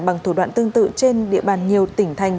bằng thủ đoạn tương tự trên địa bàn nhiều tỉnh thành